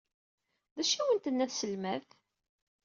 D acu ay awent-tenna tselmadt?